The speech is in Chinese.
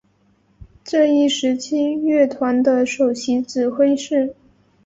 这一时期乐团的首席指挥是。